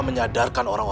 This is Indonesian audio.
enggak di bawah kemana